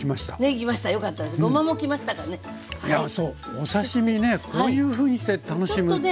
お刺身ねこういうふうにして楽しむっていいですよね。